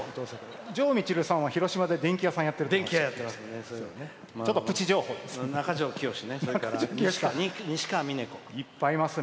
城みちるさんは電気屋さんやってるからね。